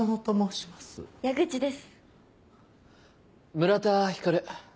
村田光。